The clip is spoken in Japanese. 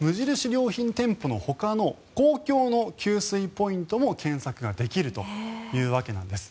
良品店舗のほかの公共の給水ポイントも検索ができるというわけなんです。